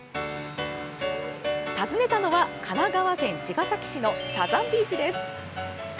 訪ねたのは神奈川県茅ヶ崎市のサザンビーチです。